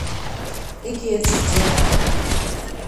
Ik hjit Jack.